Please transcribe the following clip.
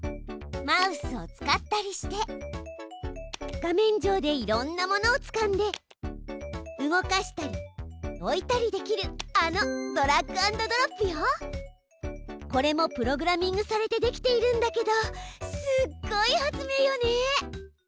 マウスを使ったりして画面上でいろんなものをつかんで動かしたり置いたりできるあのこれもプログラミングされてできているんだけどすごい発明よね！